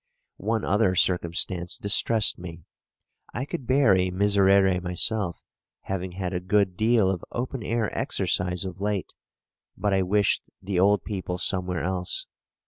One other circumstance distressed me. I could bear a Miserere myself, having had a good deal of open air exercise of late; but I wished the old people somewhere else.